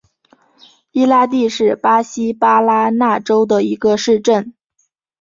伊拉蒂是巴西巴拉那州的一个市镇。